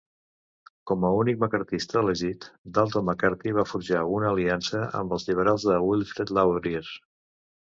Com a únic maccarthista elegit, Dalton McCarthy va forjar una aliança amb els liberals de Wilfrid Laurier.